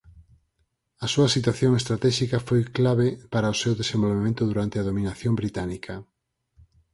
A súa situación estratéxica foi clave para o seu desenvolvemento durante a dominación británica.